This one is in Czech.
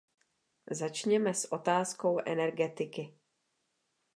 Začněme s otázkou energetiky.